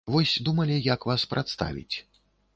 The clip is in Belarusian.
Вось думалі, як вас прадставіць.